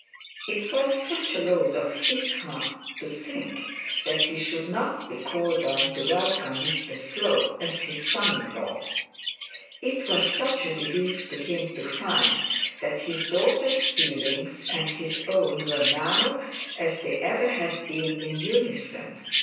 It was such a load off his heart to think that he should not be called on to welcome Mr Slope as his son in law; it was such a relief to him to find that his daughter's feelings and his own were now, as they ever had been, in unison.